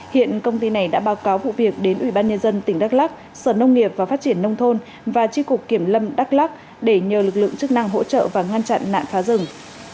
hiện công ty này đã báo cáo vụ việc đến ủy ban nhân dân tỉnh đắk lắc sở nông nghiệp và phát triển nông thôn và tri cục kiểm lâm đắk lắc để nhờ lực lượng chức năng hỗ trợ và ngăn chặn nạn phá rừng